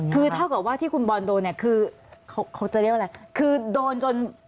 คือเท่ากับว่าที่คุณบอลโดนเนี่ยคือเขาเขาจะเรียกว่าอะไรคือโดนจน